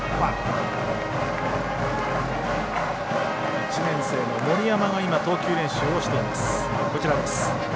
１年生の森山が投球練習をしています。